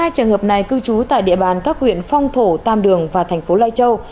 hai trường hợp này cư trú tại địa bàn các huyện phong thổ tam đường và thành phố lai châu